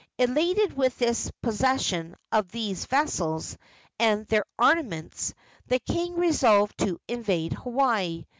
Elated with the possession of these vessels and their armaments, the king resolved to invade Hawaii.